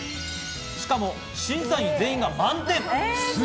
しかも審査員全員が満点。